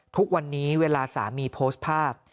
ทุกวันนี้เวลาสามีโพสต์ภาพ